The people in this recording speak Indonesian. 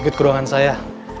ikut ke ruangan saya